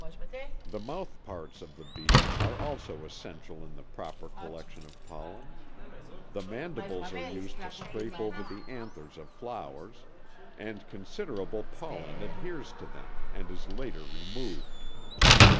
The mouthparts of the bee are also essential to the proper collection of pollen. The mandibles are used to scrape over the anthers of flowers, and considerable pollen adheres to them and is later removed.